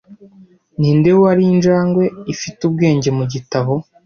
Ninde wari injangwe ifite ubwenge mu gitabo